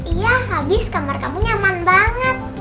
iya habis kamar kamu nyaman banget